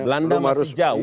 belanda masih jauh